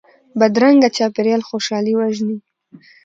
بدرنګه چاپېریال خوشحالي وژني